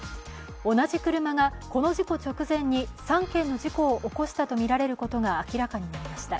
同じ車がこの事故直前に３件の事故を起こしたとみられることが明らかになりました。